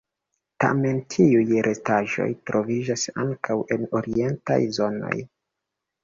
Tamen tiuj restaĵoj troviĝas ankaŭ en orientaj zonoj.